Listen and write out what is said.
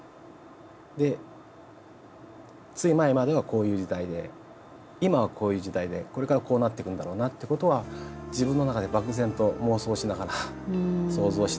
でつい前まではこういう時代で今はこういう時代でこれからこうなっていくんだろうなってことは自分の中で漠然と妄想しながら想像しながら。